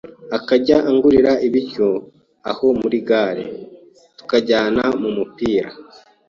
akajya angurira ibiryo aho muri gare, tukajyana mu mupira